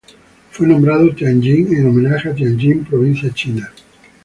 Fue nombrado Tianjin en homenaje a Tianjin provincia china.